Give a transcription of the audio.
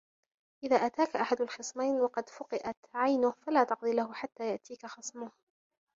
إذا أتاك أحد الخصمين وقد فُقِئَتْ عينه فلا تقض له حتى يأتيك خصمه